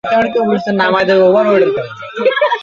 কেউই মারা যায়নি।